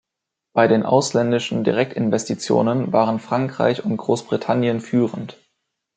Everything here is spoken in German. Bei den ausländischen Direktinvestitionen waren Frankreich und Großbritannien führend.